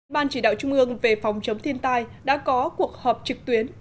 ban chỉ đạo trung ương về phòng chống thiên tai đã có cuộc họp trực tuyến